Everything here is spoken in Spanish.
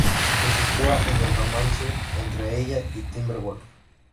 Se insinúa un romance entre ella y Timber Wolf.